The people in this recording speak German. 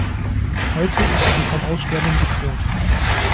Heute ist sie vom Aussterben bedroht.